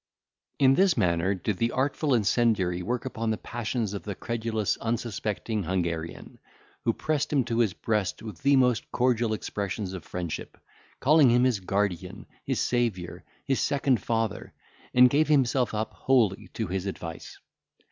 In this manner did the artful incendiary work upon the passions of the credulous unsuspecting Hungarian, who pressed him to his breast with the most cordial expressions of friendship, calling him his guardian, his saviour, his second father, and gave himself up wholly to his advice.